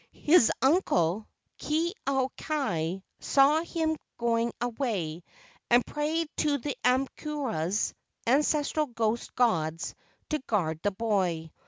His uncle, Ke au kai, saw him going away, and prayed to the aumakuas (ancestral ghost gods) to guard the boy.